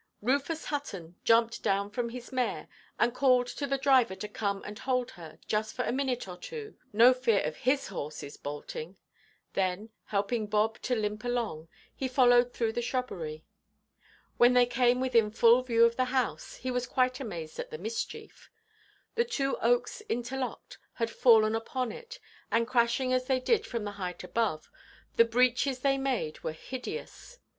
Rufus Hutton jumped down from his mare, and called to the driver to come and hold her, just for a minute or two; no fear of his horses bolting. Then, helping Bob to limp along, he followed through the shrubbery. When they came within full view of the house, he was quite amazed at the mischief. The two oaks interlocked had fallen upon it, and, crashing as they did from the height above, the breaches they made were hideous.